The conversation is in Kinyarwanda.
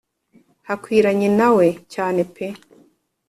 hakwiranye nawe cyane pe